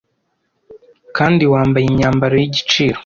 kandi wambaye imyambaro y igiciro